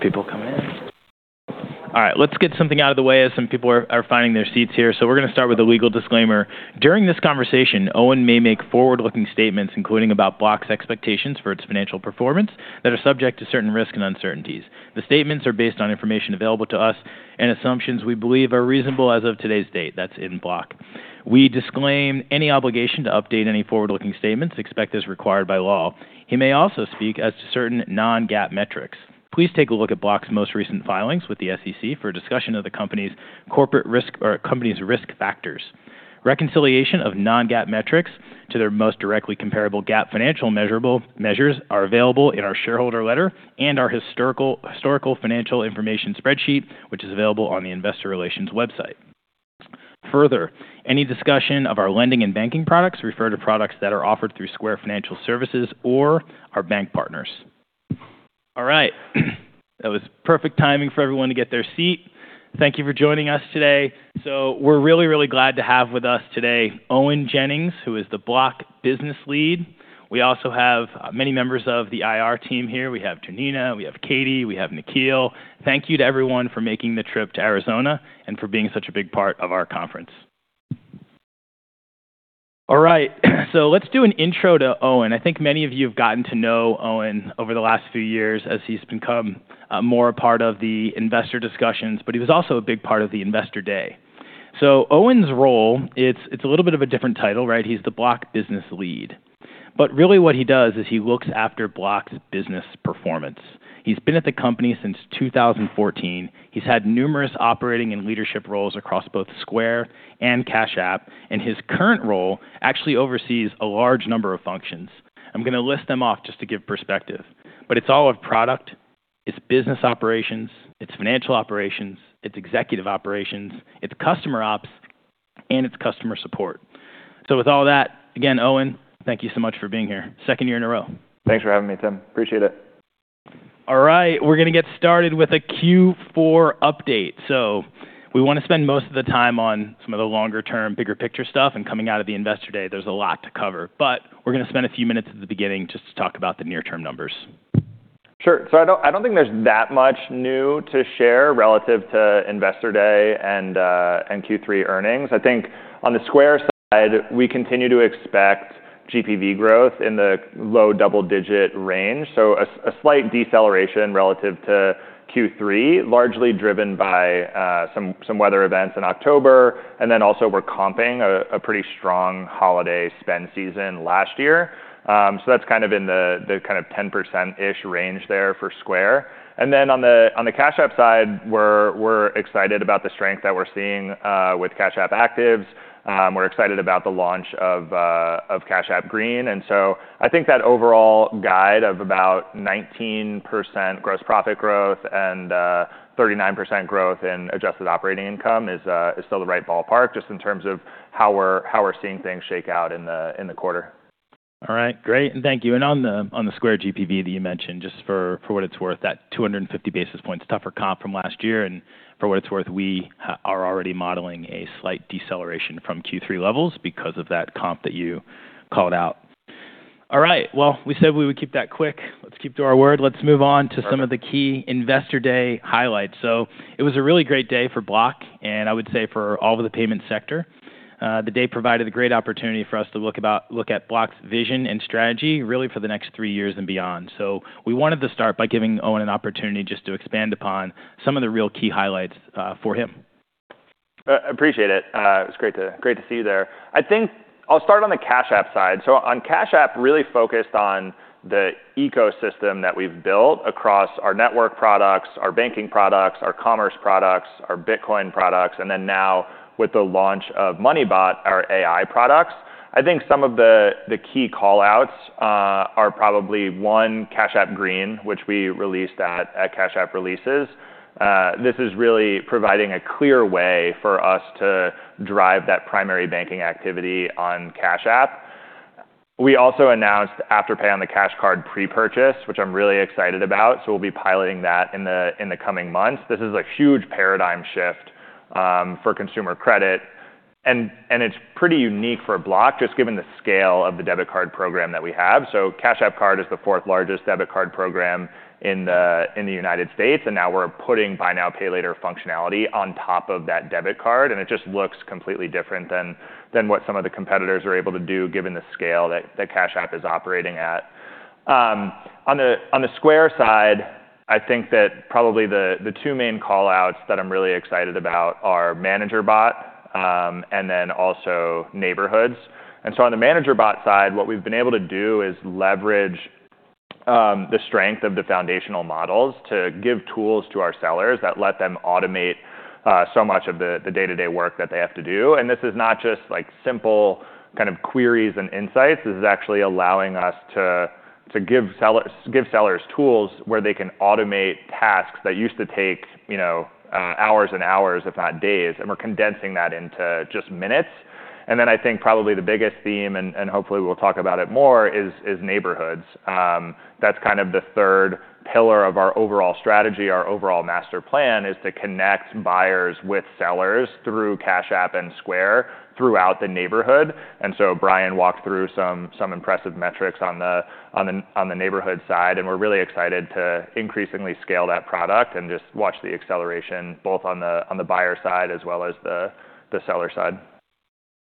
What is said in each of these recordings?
A couple more people come in. All right. Let's get something out of the way as some people are finding their seats here. So we're going to start with a legal disclaimer. During this conversation, Owen may make forward-looking statements, including about Block's expectations for its financial performance that are subject to certain risks and uncertainties. The statements are based on information available to us and assumptions we believe are reasonable as of today's date. That's in Block. We disclaim any obligation to update any forward-looking statements except as required by law. He may also speak as to certain non-GAAP metrics. Please take a look at Block's most recent filings with the SEC for discussion of the company's risk factors. Reconciliation of non-GAAP metrics to their most directly comparable GAAP financial measures are available in our shareholder letter and our historical financial information spreadsheet, which is available on the Investor Relations website. Further, any discussion of our lending and banking products refer to products that are offered through Square Financial Services or our bank partners. All right. That was perfect timing for everyone to get their seat. Thank you for joining us today. So we're really, really glad to have with us today Owen Jennings, who is the Block Business Lead. We also have many members of the IR team here. We have Janina, we have Katie, we have Nikhil. Thank you to everyone for making the trip to Arizona and for being such a big part of our conference. All right. So let's do an intro to Owen. I think many of you have gotten to know Owen over the last few years as he's become more a part of the investor discussions, but he was also a big part of the Investor Day. So Owen's role, it's a little bit of a different title, right? He's the Block Business Lead. But really what he does is he looks after Block's business performance. He's been at the company since 2014. He's had numerous operating and leadership roles across both Square and Cash App, and his current role actually oversees a large number of functions. I'm going to list them off just to give perspective, but it's all of product, it's business operations, it's financial operations, it's executive operations, it's customer ops, and it's customer support. So with all that, again, Owen, thank you so much for being here. Second year in a row. Thanks for having me, Tim. Appreciate it. All right. We're going to get started with a Q4 update. So we want to spend most of the time on some of the longer-term, bigger picture stuff, and coming out of the Investor Day, there's a lot to cover. But we're going to spend a few minutes at the beginning just to talk about the near-term numbers. Sure. So I don't think there's that much new to share relative to Investor Day and Q3 earnings. I think on the Square side, we continue to expect GPV growth in the low double-digit range. So a slight deceleration relative to Q3, largely driven by some weather events in October. And then also we're comping a pretty strong holiday spend season last year. So that's kind of in the 10%-ish range there for Square. And then on the Cash App side, we're excited about the strength that we're seeing with Cash App Actives. We're excited about the launch of Cash App Green. And so I think that overall guide of about 19% gross profit growth and 39% growth in adjusted operating income is still the right ballpark just in terms of how we're seeing things shake out in the quarter. All right. Great. And thank you. And on the Square GPV that you mentioned, just for what it's worth, that 250 basis points tougher comp from last year. And for what it's worth, we are already modeling a slight deceleration from Q3 levels because of that comp that you called out. All right. Well, we said we would keep that quick. Let's keep to our word. Let's move on to some of the key Investor Day highlights. So it was a really great day for Block, and I would say for all of the payment sector. The day provided a great opportunity for us to look at Block's vision and strategy really for the next three years and beyond. So we wanted to start by giving Owen an opportunity just to expand upon some of the real key highlights for him. Appreciate it. It was great to see you there. I think I'll start on the Cash App side. So on Cash App, really focused on the ecosystem that we've built across our network products, our banking products, our commerce products, our Bitcoin products, and then now with the launch of MoneyBot, our AI products. I think some of the key callouts are probably one, Cash App Green, which we released at Cash App releases. This is really providing a clear way for us to drive that primary banking activity on Cash App. We also announced Afterpay on the Cash Card pre-purchase, which I'm really excited about. So we'll be piloting that in the coming months. This is a huge paradigm shift for consumer credit. And it's pretty unique for Block just given the scale of the debit card program that we have. So Cash App Card is the fourth largest debit card program in the United States. And now we're putting buy now, pay later functionality on top of that debit card. And it just looks completely different than what some of the competitors are able to do given the scale that Cash App is operating at. On the Square side, I think that probably the two main callouts that I'm really excited about are ManagerBot and then also Neighborhoods. And so on the ManagerBot side, what we've been able to do is leverage the strength of the foundational models to give tools to our sellers that let them automate so much of the day-to-day work that they have to do. And this is not just simple kind of queries and insights. This is actually allowing us to give sellers tools where they can automate tasks that used to take hours and hours, if not days. And we're condensing that into just minutes. And then I think probably the biggest theme, and hopefully we'll talk about it more, is Neighborhoods. That's kind of the third pillar of our overall strategy, our overall master plan, is to connect buyers with sellers through Cash App and Square throughout the neighborhood. And so Brian walked through some impressive metrics on the neighborhood side. And we're really excited to increasingly scale that product and just watch the acceleration both on the buyer side as well as the seller side.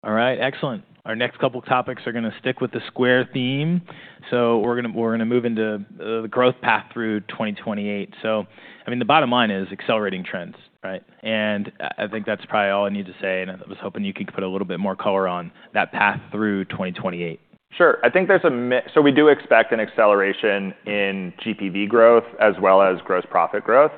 All right. Excellent. Our next couple of topics are going to stick with the Square theme. So we're going to move into the growth path through 2028. So I mean, the bottom line is accelerating trends, right? And I think that's probably all I need to say. And I was hoping you could put a little bit more color on that path through 2028. Sure. I think there's also, we do expect an acceleration in GPV growth as well as gross profit growth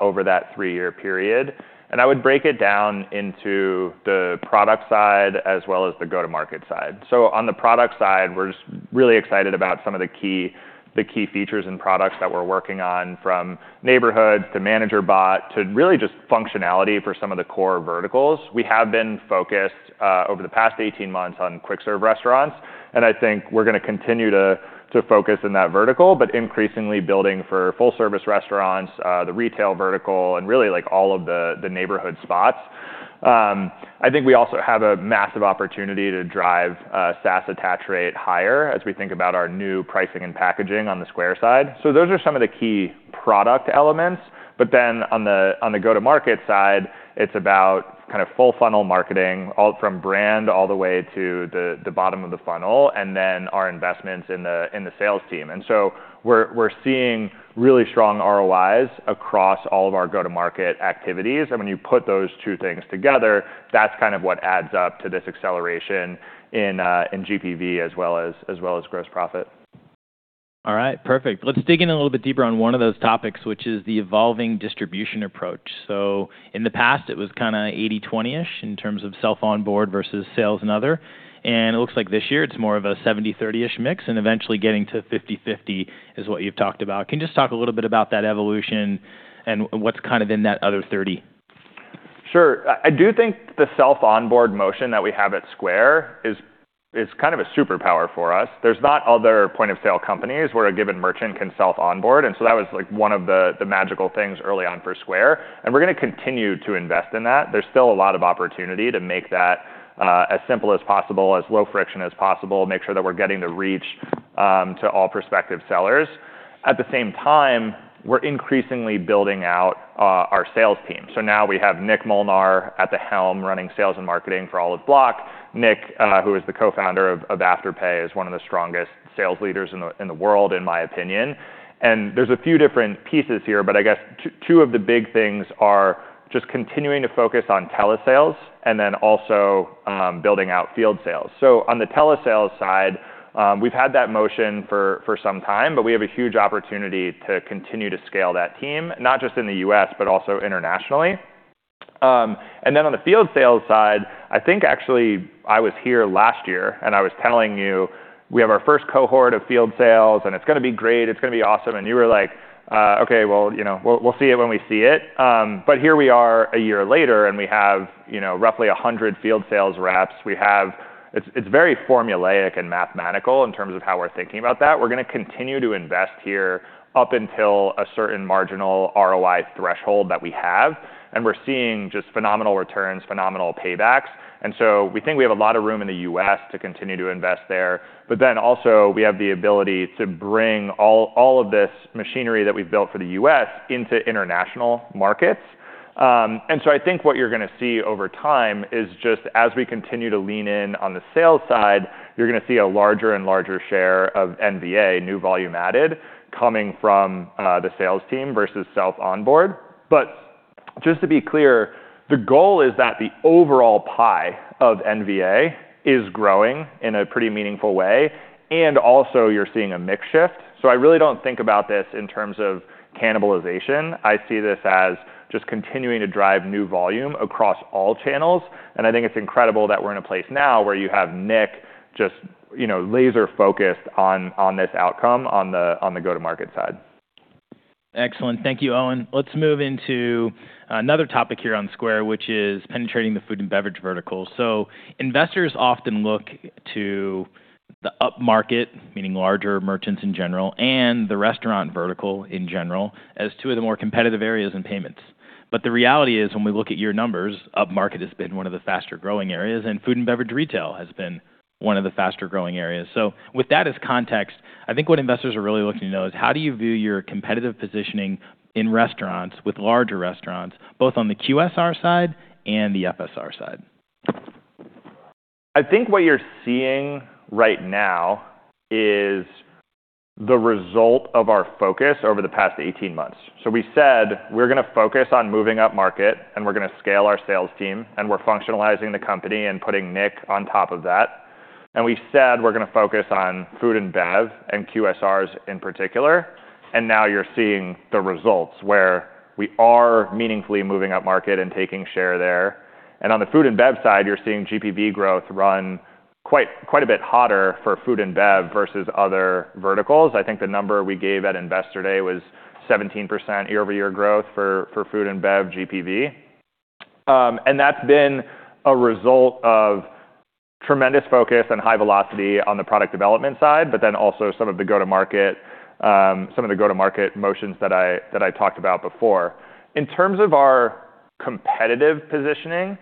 over that three-year period. And I would break it down into the product side as well as the go-to-market side. So on the product side, we're just really excited about some of the key features and products that we're working on from Neighborhoods to ManagerBot to really just functionality for some of the core verticals. We have been focused over the past 18 months on quick-service restaurants. And I think we're going to continue to focus in that vertical, but increasingly building for full-service restaurants, the retail vertical, and really all of the neighborhood spots. I think we also have a massive opportunity to drive SaaS attach rate higher as we think about our new pricing and packaging on the Square side. So those are some of the key product elements. But then on the go-to-market side, it's about kind of full-funnel marketing from brand all the way to the bottom of the funnel and then our investments in the sales team. And so we're seeing really strong ROIs across all of our go-to-market activities. And when you put those two things together, that's kind of what adds up to this acceleration in GPV as well as gross profit. All right. Perfect. Let's dig in a little bit deeper on one of those topics, which is the evolving distribution approach. So in the past, it was kind of 80/20-ish in terms of self-onboard versus sales and other. And it looks like this year it's more of a 70/30-ish mix, and eventually getting to 50/50 is what you've talked about. Can you just talk a little bit about that evolution and what's kind of in that other 30? Sure. I do think the self-onboard motion that we have at Square is kind of a superpower for us. There's not other point-of-sale companies where a given merchant can self-onboard. And so that was one of the magical things early on for Square. And we're going to continue to invest in that. There's still a lot of opportunity to make that as simple as possible, as low friction as possible, make sure that we're getting the reach to all prospective sellers. At the same time, we're increasingly building out our sales team. So now we have Nick Molnar at the helm running sales and marketing for all of Block. Nick, who is the co-founder of Afterpay, is one of the strongest sales leaders in the world, in my opinion. And there's a few different pieces here, but I guess two of the big things are just continuing to focus on telesales and then also building out field sales. So on the telesales side, we've had that motion for some time, but we have a huge opportunity to continue to scale that team, not just in the U.S., but also internationally. And then on the field sales side, I think actually I was here last year and I was telling you we have our first cohort of field sales and it's going to be great, it's going to be awesome. And you were like, "Okay, well, we'll see it when we see it." But here we are a year later and we have roughly 100 field sales reps. It's very formulaic and mathematical in terms of how we're thinking about that. We're going to continue to invest here up until a certain marginal ROI threshold that we have. And we're seeing just phenomenal returns, phenomenal paybacks. And so we think we have a lot of room in the U.S. to continue to invest there. But then also we have the ability to bring all of this machinery that we've built for the U.S. into international markets. And so I think what you're going to see over time is just as we continue to lean in on the sales side, you're going to see a larger and larger share of NVA, new volume added, coming from the sales team versus self-onboard. But just to be clear, the goal is that the overall pie of NVA is growing in a pretty meaningful way. And also you're seeing a mix shift. So I really don't think about this in terms of cannibalization. I see this as just continuing to drive new volume across all channels, and I think it's incredible that we're in a place now where you have Nick just laser-focused on this outcome on the go-to-market side. Excellent. Thank you, Owen. Let's move into another topic here on Square, which is penetrating the food and beverage vertical. So investors often look to the upmarket, meaning larger merchants in general, and the restaurant vertical in general as two of the more competitive areas in payments. But the reality is when we look at your numbers, upmarket has been one of the faster growing areas, and food and beverage retail has been one of the faster growing areas. So with that as context, I think what investors are really looking to know is how do you view your competitive positioning in restaurants with larger restaurants, both on the QSR side and the FSR side? I think what you're seeing right now is the result of our focus over the past 18 months. So we said we're going to focus on moving upmarket and we're going to scale our sales team and we're functionalizing the company and putting Nick on top of that. And we said we're going to focus on food and bev and QSRs in particular. And now you're seeing the results where we are meaningfully moving upmarket and taking share there. And on the food and bev side, you're seeing GPV growth run quite a bit hotter for food and bev versus other verticals. I think the number we gave at Investor Day was 17% year-over-year growth for food and bev GPV. That's been a result of tremendous focus and high velocity on the product development side, but then also some of the go-to-market, some of the go-to-market motions that I talked about before. In terms of our competitive positioning,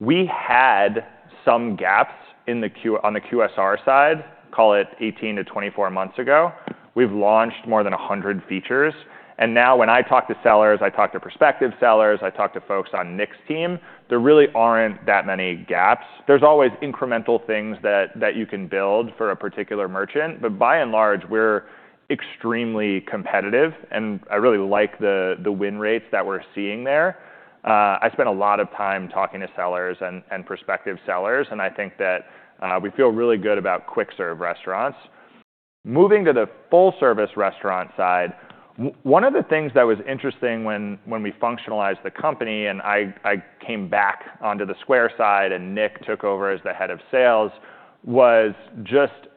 we had some gaps on the QSR side, call it 18 to 24 months ago. We've launched more than 100 features. Now when I talk to sellers, I talk to prospective sellers, I talk to folks on Nick's team, there really aren't that many gaps. There's always incremental things that you can build for a particular merchant. But by and large, we're extremely competitive. I really like the win rates that we're seeing there. I spent a lot of time talking to sellers and prospective sellers. I think that we feel really good about quick-serve restaurants. Moving to the full-service restaurant side, one of the things that was interesting when we functionalized the company, and I came back onto the Square side and Nick took over as the head of sales, was just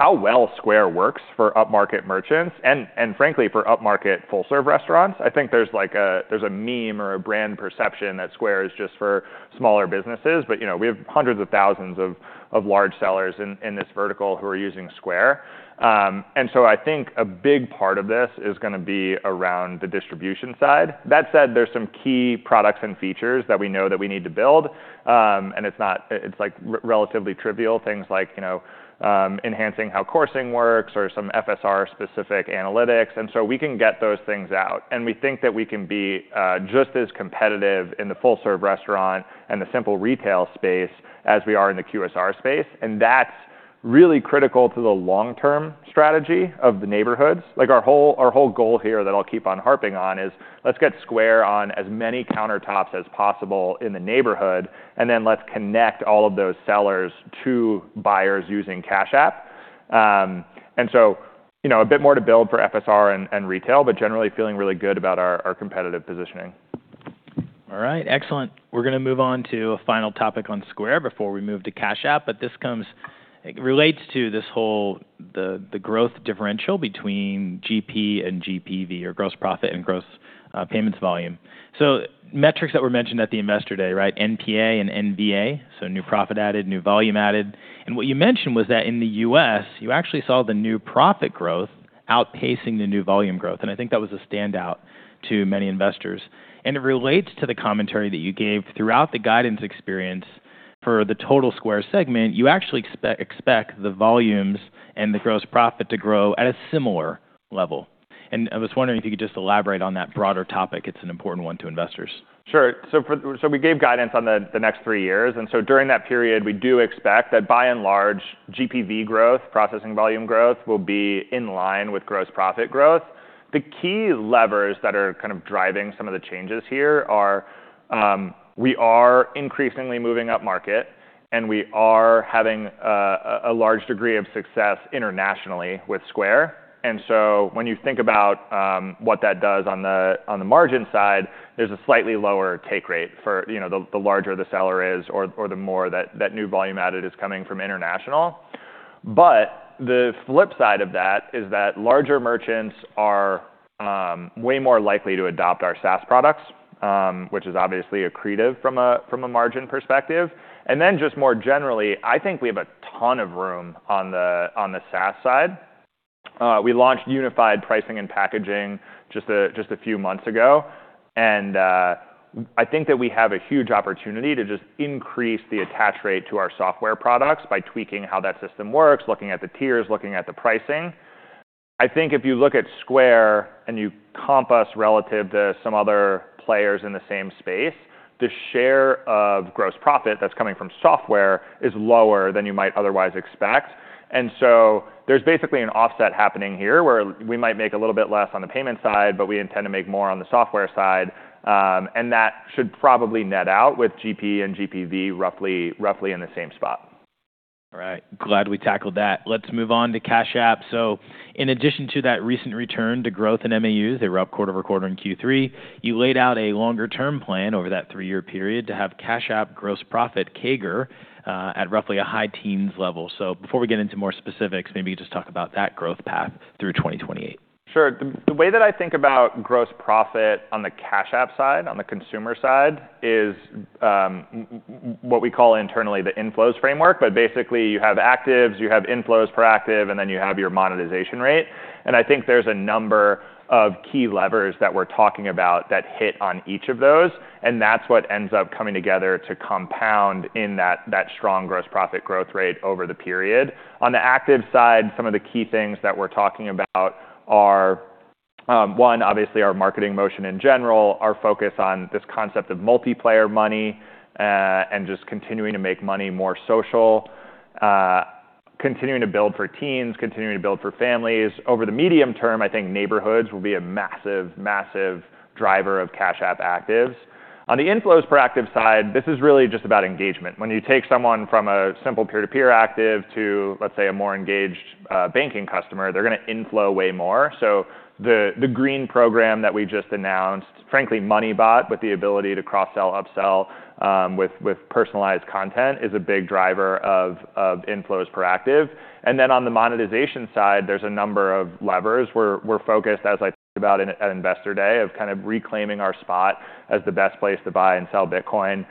how well Square works for upmarket merchants and frankly for upmarket full-serve restaurants. I think there's a meme or a brand perception that Square is just for smaller businesses. But we have hundreds of thousands of large sellers in this vertical who are using Square. And so I think a big part of this is going to be around the distribution side. That said, there's some key products and features that we know that we need to build. And it's like relatively trivial things like enhancing how coursing works or some FSR-specific analytics. And so we can get those things out. We think that we can be just as competitive in the full-service restaurant and the simple retail space as we are in the QSR space. That's really critical to the long-term strategy of the Neighborhoods. Like, our whole goal here that I'll keep on harping on is let's get Square on as many countertops as possible in the neighborhood. Then let's connect all of those sellers to buyers using Cash App. So a bit more to build for FSR and retail, but generally feeling really good about our competitive positioning. All right. Excellent. We're going to move on to a final topic on Square before we move to Cash App. But this relates to this whole growth differential between GP and GPV or gross profit and gross payments volume. So metrics that were mentioned at the Investor Day, right? NPA and NVA, so new profit added, new volume added. And what you mentioned was that in the U.S., you actually saw the new profit growth outpacing the new volume growth. And I think that was a standout to many investors. And it relates to the commentary that you gave throughout the guidance experience for the total Square segment. You actually expect the volumes and the gross profit to grow at a similar level. And I was wondering if you could just elaborate on that broader topic. It's an important one to investors. Sure. So we gave guidance on the next three years. And so during that period, we do expect that by and large, GPV growth, processing volume growth will be in line with gross profit growth. The key levers that are kind of driving some of the changes here are we are increasingly moving upmarket and we are having a large degree of success internationally with Square. And so when you think about what that does on the margin side, there's a slightly lower take rate for the larger the seller is or the more that new volume added is coming from international. But the flip side of that is that larger merchants are way more likely to adopt our SaaS products, which is obviously accretive from a margin perspective. And then just more generally, I think we have a ton of room on the SaaS side. We launched unified pricing and packaging just a few months ago. And I think that we have a huge opportunity to just increase the attach rate to our software products by tweaking how that system works, looking at the tiers, looking at the pricing. I think if you look at Square and you comp us relative to some other players in the same space, the share of gross profit that's coming from software is lower than you might otherwise expect. And so there's basically an offset happening here where we might make a little bit less on the payment side, but we intend to make more on the software side. And that should probably net out with GP and GPV roughly in the same spot. All right. Glad we tackled that. Let's move on to Cash App. So in addition to that recent return to growth in MAUs, they were up quarter over quarter in Q3. You laid out a longer-term plan over that three-year period to have Cash App gross profit CAGR at roughly a high teens level. So before we get into more specifics, maybe you could just talk about that growth path through 2028. Sure. The way that I think about gross profit on the Cash App side, on the consumer side, is what we call internally the inflows framework. But basically, you have actives, you have inflows per active, and then you have your monetization rate. And I think there's a number of key levers that we're talking about that hit on each of those. And that's what ends up coming together to compound in that strong gross profit growth rate over the period. On the active side, some of the key things that we're talking about are, one, obviously our marketing motion in general, our focus on this concept of multiplayer money and just continuing to make money more social, continuing to build for teens, continuing to build for families. Over the medium term, I think Neighborhoods will be a massive, massive driver of Cash App actives. On the inflows per active side, this is really just about engagement. When you take someone from a simple peer-to-peer active to, let's say, a more engaged banking customer, they're going to inflow way more. So the Cash App Green program that we just announced, frankly, MoneyBot with the ability to cross-sell, upsell with personalized content is a big driver of inflows per active. And then on the monetization side, there's a number of levers we're focused, as I talked about at Investor Day, of kind of reclaiming our spot as the best place to buy and sell Bitcoin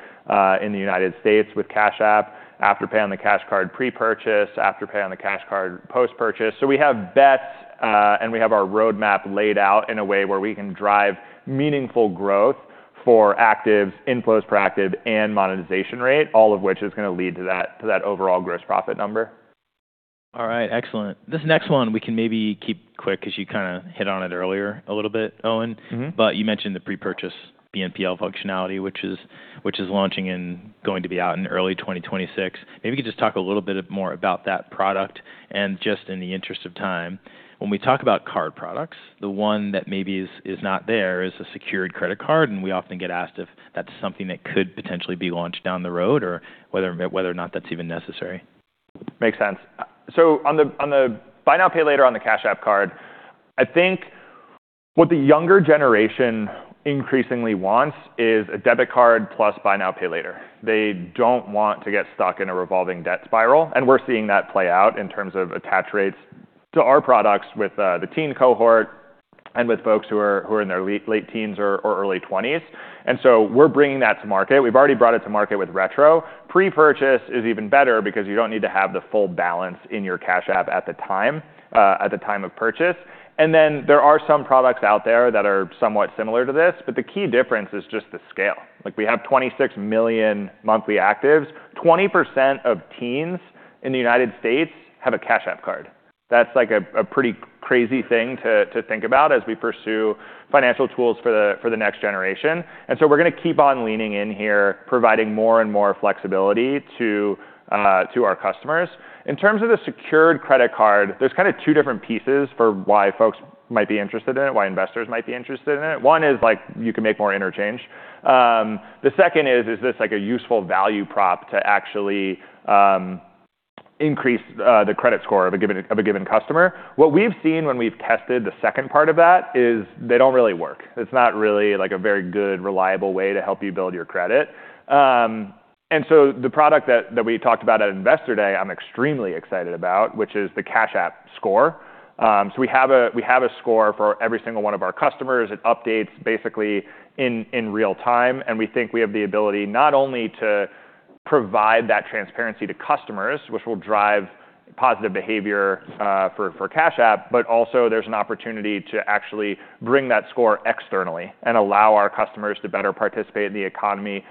in the United States with Cash App, Afterpay on the Cash App Card pre-purchase, Afterpay on the Cash App Card post-purchase. We have bets and we have our roadmap laid out in a way where we can drive meaningful growth for actives, inflows per active, and monetization rate, all of which is going to lead to that overall gross profit number. All right. Excellent. This next one we can maybe keep quick because you kind of hit on it earlier a little bit, Owen. But you mentioned the pre-purchase BNPL functionality, which is launching and going to be out in early 2026. Maybe you could just talk a little bit more about that product. And just in the interest of time, when we talk about card products, the one that maybe is not there is a secured credit card. And we often get asked if that's something that could potentially be launched down the road or whether or not that's even necessary. Makes sense. So on the buy now, pay later on the Cash App card, I think what the younger generation increasingly wants is a debit card plus buy now, pay later. They don't want to get stuck in a revolving debt spiral. And we're seeing that play out in terms of attach rates to our products with the teen cohort and with folks who are in their late teens or early 20s. And so we're bringing that to market. We've already brought it to market with Retro. Pre-purchase is even better because you don't need to have the full balance in your Cash App at the time of purchase. And then there are some products out there that are somewhat similar to this. But the key difference is just the scale. We have 26 million monthly actives. 20% of teens in the United States have a Cash App card. That's like a pretty crazy thing to think about as we pursue financial tools for the next generation. And so we're going to keep on leaning in here, providing more and more flexibility to our customers. In terms of the secured credit card, there's kind of two different pieces for why folks might be interested in it, why investors might be interested in it. One is like you can make more interchange. The second is, is this like a useful value prop to actually increase the credit score of a given customer? What we've seen when we've tested the second part of that is they don't really work. It's not really like a very good, reliable way to help you build your credit. And so the product that we talked about at Investor Day I'm extremely excited about, which is the Cash App Score. So we have a score for every single one of our customers. It updates basically in real time. And we think we have the ability not only to provide that transparency to customers, which will drive positive behavior for Cash App, but also there's an opportunity to actually bring that score externally and allow our customers to better participate in the economy,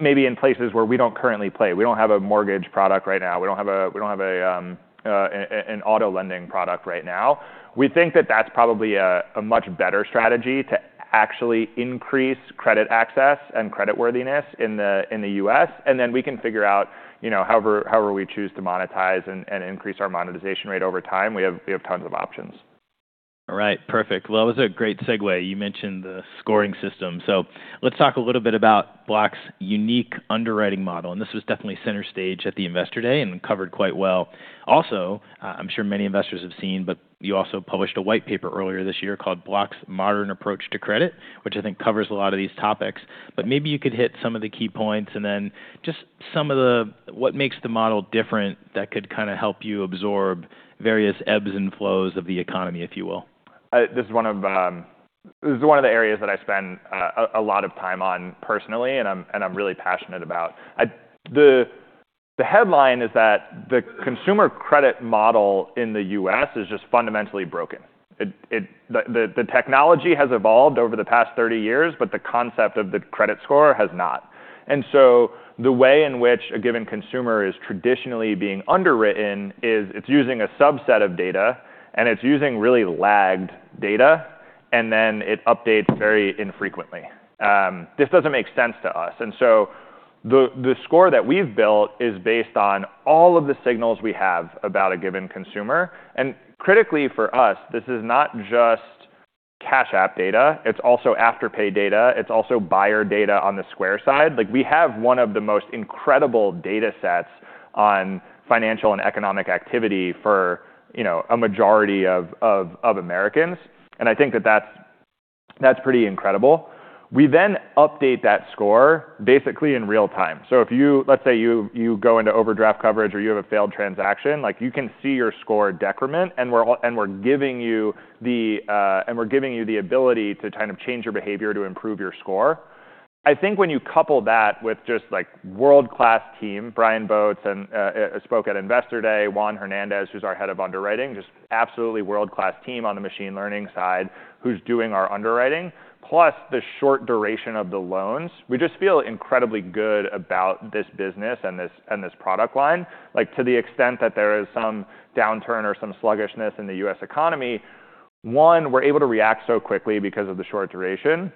maybe in places where we don't currently play. We don't have a mortgage product right now. We don't have an auto lending product right now. We think that that's probably a much better strategy to actually increase credit access and creditworthiness in the U.S. And then we can figure out however we choose to monetize and increase our monetization rate over time. We have tons of options. All right. Perfect. Well, that was a great segue. You mentioned the scoring system. So let's talk a little bit about Block's unique underwriting model. And this was definitely center stage at the Investor Day and covered quite well. Also, I'm sure many investors have seen, but you also published a white paper earlier this year called Block's Modern Approach to Credit, which I think covers a lot of these topics. But maybe you could hit some of the key points and then just some of what makes the model different that could kind of help you absorb various ebbs and flows of the economy, if you will. This is one of the areas that I spend a lot of time on personally and I'm really passionate about. The headline is that the consumer credit model in the U.S. is just fundamentally broken. The technology has evolved over the past 30 years, but the concept of the credit score has not. And so the way in which a given consumer is traditionally being underwritten is it's using a subset of data and it's using really lagged data, and then it updates very infrequently. This doesn't make sense to us. And so the score that we've built is based on all of the signals we have about a given consumer. And critically for us, this is not just Cash App data. It's also Afterpay data. It's also buyer data on the Square side. We have one of the most incredible data sets on financial and economic activity for a majority of Americans. I think that that's pretty incredible. We then update that score basically in real time. So if you, let's say you go into overdraft coverage or you have a failed transaction, you can see your score decrement and we're giving you the ability to kind of change your behavior to improve your score. I think when you couple that with just world-class team, Brian Bowen spoke at Investor Day, Juan Hernandez, who's our head of underwriting, just absolutely world-class team on the machine learning side who's doing our underwriting, plus the short duration of the loans, we just feel incredibly good about this business and this product line. To the extent that there is some downturn or some sluggishness in the U.S. economy, one, we're able to react so quickly because of the short duration.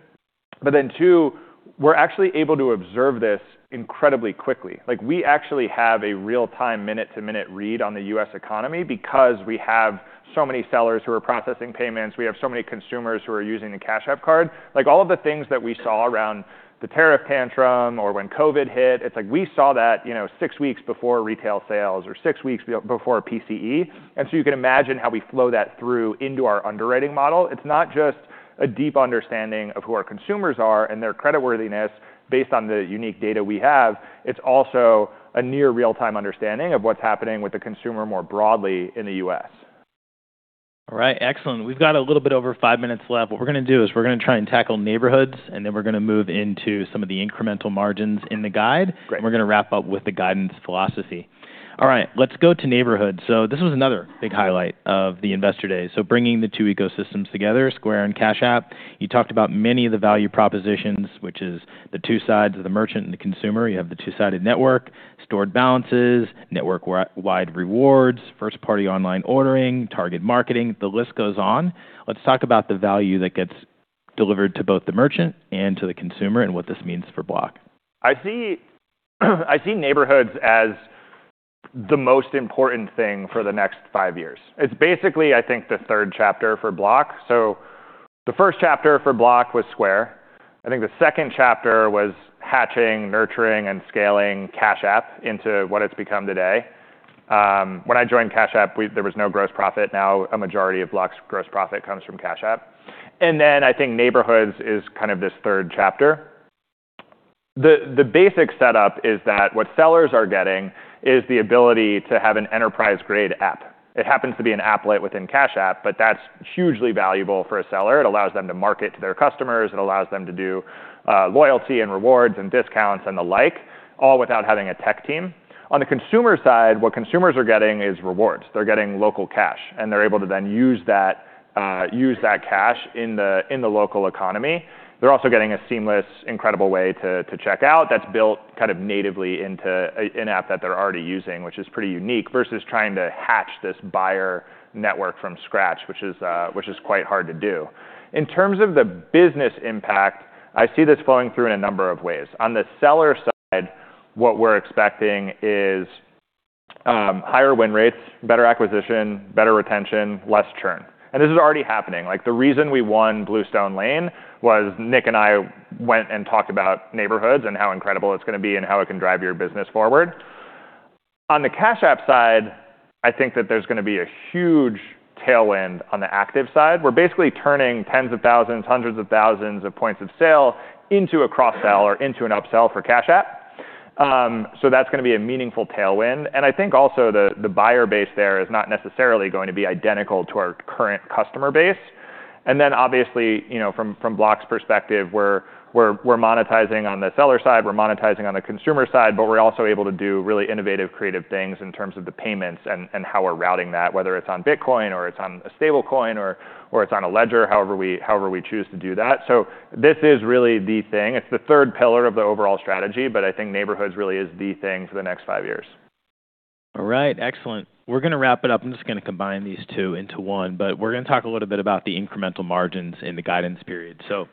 But then two, we're actually able to observe this incredibly quickly. We actually have a real-time minute-to-minute read on the U.S. economy because we have so many sellers who are processing payments. We have so many consumers who are using the Cash App Card. All of the things that we saw around the tariff tantrum or when COVID hit, it's like we saw that six weeks before retail sales or six weeks before PCE. And so you can imagine how we flow that through into our underwriting model. It's not just a deep understanding of who our consumers are and their creditworthiness based on the unique data we have. It's also a near real-time understanding of what's happening with the consumer more broadly in the U.S. All right. Excellent. We've got a little bit over five minutes left. What we're going to do is we're going to try and tackle Neighborhoods, and then we're going to move into some of the incremental margins in the guide. And we're going to wrap up with the guidance philosophy. All right. Let's go to Neighborhoods. So this was another big highlight of the Investor Day. So bringing the two ecosystems together, Square and Cash App. You talked about many of the value propositions, which is the two sides of the merchant and the consumer. You have the two-sided network, stored balances, network-wide rewards, first-party online ordering, target marketing. The list goes on. Let's talk about the value that gets delivered to both the merchant and to the consumer and what this means for Block. I see Neighborhoods as the most important thing for the next five years. It's basically, I think, the third chapter for Block. So the first chapter for Block was Square. I think the second chapter was hatching, nurturing, and scaling Cash App into what it's become today. When I joined Cash App, there was no gross profit. Now a majority of Block's gross profit comes from Cash App. And then I think Neighborhoods is kind of this third chapter. The basic setup is that what sellers are getting is the ability to have an enterprise-grade app. It happens to be an applet within Cash App, but that's hugely valuable for a seller. It allows them to market to their customers. It allows them to do loyalty and rewards and discounts and the like, all without having a tech team. On the consumer side, what consumers are getting is rewards. They're getting local cash, and they're able to then use that cash in the local economy. They're also getting a seamless, incredible way to check out that's built kind of natively into an app that they're already using, which is pretty unique versus trying to hatch this buyer network from scratch, which is quite hard to do. In terms of the business impact, I see this flowing through in a number of ways. On the seller side, what we're expecting is higher win rates, better acquisition, better retention, less churn. And this is already happening. The reason we won Bluestone Lane was Nick and I went and talked about neighborhoods and how incredible it's going to be and how it can drive your business forward. On the Cash App side, I think that there's going to be a huge tailwind on the active side. We're basically turning tens of thousands, hundreds of thousands of points of sale into a cross-sell or into an upsell for Cash App. So that's going to be a meaningful tailwind. And I think also the buyer base there is not necessarily going to be identical to our current customer base. And then obviously, from Block's perspective, we're monetizing on the seller side. We're monetizing on the consumer side, but we're also able to do really innovative, creative things in terms of the payments and how we're routing that, whether it's on Bitcoin or it's on a Stablecoin or it's on a ledger, however we choose to do that. So this is really the thing. It's the third pillar of the overall strategy, but I think Neighborhoods really is the thing for the next five years. All right. Excellent. We're going to wrap it up. I'm just going to combine these two into one, but we're going to talk a little bit about the incremental margins in the guidance period. So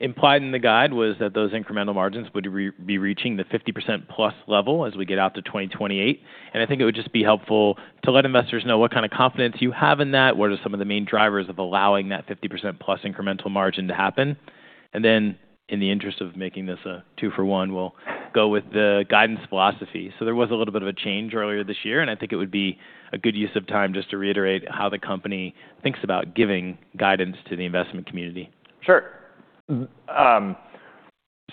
implied in the guide was that those incremental margins would be reaching the 50% plus level as we get out to 2028. And I think it would just be helpful to let investors know what kind of confidence you have in that, what are some of the main drivers of allowing that 50% plus incremental margin to happen. And then in the interest of making this a two-for-one, we'll go with the guidance philosophy. So there was a little bit of a change earlier this year, and I think it would be a good use of time just to reiterate how the company thinks about giving guidance to the investment community. Sure. So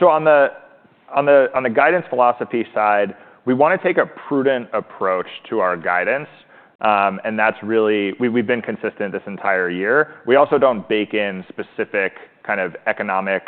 on the guidance philosophy side, we want to take a prudent approach to our guidance. And we've been consistent this entire year. We also don't bake in specific kind of economic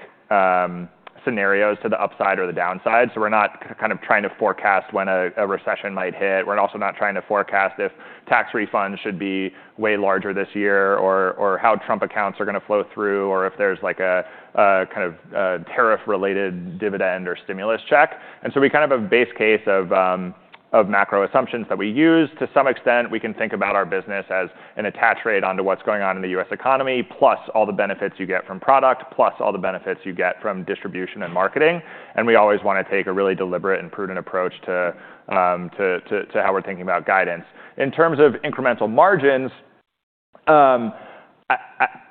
scenarios to the upside or the downside. So we're not kind of trying to forecast when a recession might hit. We're also not trying to forecast if tax refunds should be way larger this year or how Trump accounts are going to flow through or if there's like a kind of tariff-related dividend or stimulus check. And so we kind of have a base case of macro assumptions that we use. To some extent, we can think about our business as an attach rate onto what's going on in the U.S. economy, plus all the benefits you get from product, plus all the benefits you get from distribution and marketing. And we always want to take a really deliberate and prudent approach to how we're thinking about guidance. In terms of incremental margins,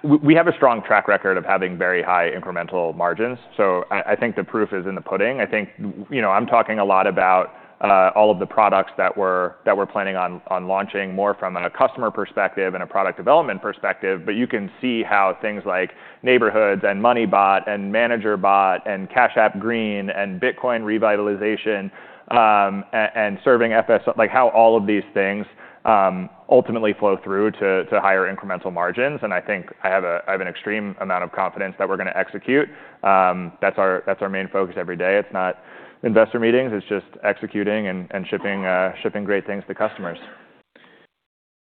we have a strong track record of having very high incremental margins. So I think the proof is in the pudding. I think I'm talking a lot about all of the products that we're planning on launching more from a customer perspective and a product development perspective, but you can see how things like Neighborhoods and MoneyBot and ManagerBot and Cash App Green and Bitcoin revitalization and serving FSR, like how all of these things ultimately flow through to higher incremental margins. And I think I have an extreme amount of confidence that we're going to execute. That's our main focus every day. It's not investor meetings. It's just executing and shipping great things to customers.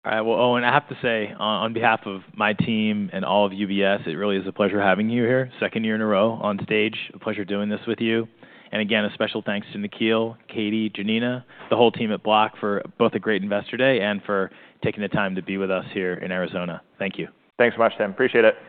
All right. Well, Owen, I have to say on behalf of my team and all of UBS, it really is a pleasure having you here, second year in a row on stage. A pleasure doing this with you. And again, a special thanks to Nikhil, Katie, Janina, the whole team at Block for both a great Investor Day and for taking the time to be with us here in Arizona. Thank you. Thanks so much, Tim. Appreciate it.